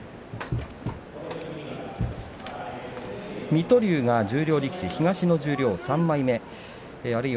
水戸龍は十両力士東の十両、３枚目。